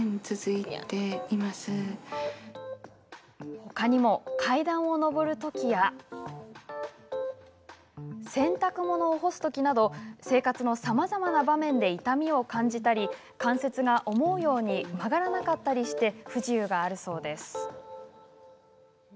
ほかにも、階段を上るときや洗濯物を干すときなど生活のさまざまな場面で痛みを感じたり関節が思うように曲がらなかったりして不自由があるそうです。